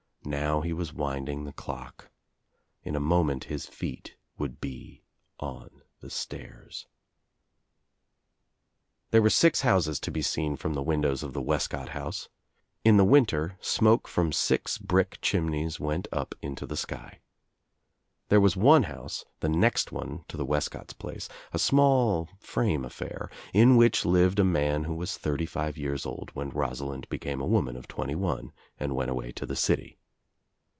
Now he was winding the clock. In a moment his feet would be on the stairs — There were six houses to be seen from the windows of the Wescott house. In the winter smoke from mx brick chimneys went up Into the sky. There was one house, the next one to the Wescott's place, a small frame affair, in which lived a man who was thirty five years old when Rosalind became a woman of twenty one and went away to the city.